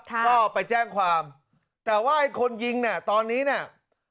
ก็ไปแจ้งความแต่ว่าไอ้คนยิงน่ะตอนนี้เนี่ย